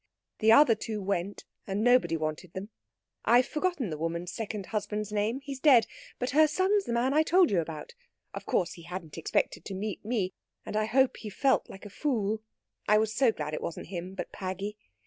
The other two went, and nobody wanted them. I've forgotten the woman's second husband's name he's dead but her son's the man I told you about. Of course, he hadn't expected to meet me, and I hope he felt like a fool. I was so glad it wasn't him, but Paggy.